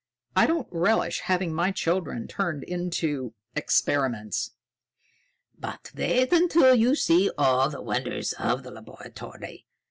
I don't relish having my children turned into experiments." "But wait until you see all the wonders of the laboratory!